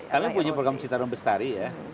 karena punya program citarum bestari ya